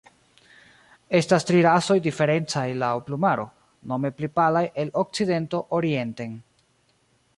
Estas tri rasoj diferencaj laŭ plumaro, nome pli palaj el okcidento orienten.